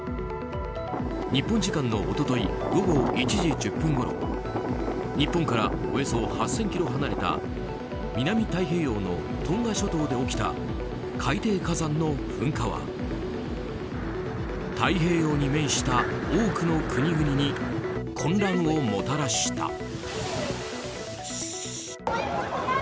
日本時間の一昨日午後１時１０分ごろ日本からおよそ８０００ｋｍ離れた南太平洋のトンガ諸島で起きた海底火山の噴火は太平洋に面した多くの国々に混乱をもたらした。